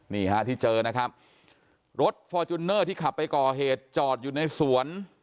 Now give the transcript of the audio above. นี่ฮะที่เจอนะครับรถฟอร์จูเนอร์ที่ขับไปก่อเหตุจอดอยู่ในสวน